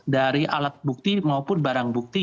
dari alat bukti maupun barang bukti